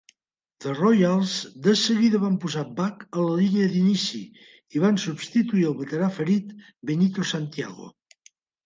The Royals de seguida van posar Buck a la línia d'inici, i van substituir el veterà ferit Benito Santiago.